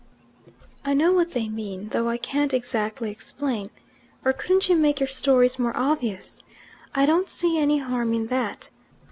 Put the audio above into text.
"I know what they mean, though I can't exactly explain. Or couldn't you make your stories more obvious? I don't see any harm in that.